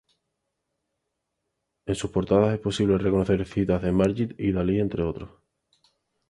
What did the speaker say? En sus portadas es posible reconocer citas a Magritte y Dali, entre otros.